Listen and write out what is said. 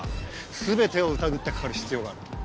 全てをうたぐってかかる必要があると。